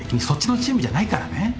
そっちのチームじゃないからね？